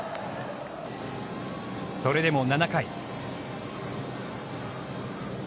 それでも、７回。